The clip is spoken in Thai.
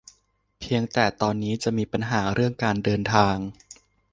เพียงแต่ตอนนี้จะมีปัญหาเรื่องการเดินทาง